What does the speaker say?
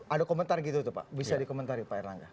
ada komentar gitu tuh pak bisa dikomentari pak erlangga